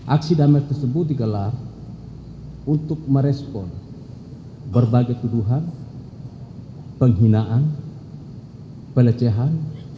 aksi damai tersebut digelar untuk merespon berbagai tuduhan penghinaan pelecehan